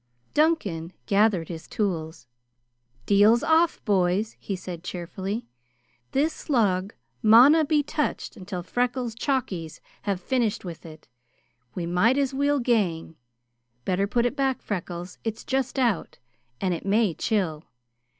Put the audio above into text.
Duncan gathered his tools. "Deal's off, boys!" he said cheerfully. "This log mauna be touched until Freckles' chaukies have finished with it. We might as weel gang. Better put it back, Freckles. It's just out, and it may chill.